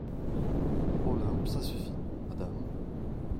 Olympe Ça suffit, Madame …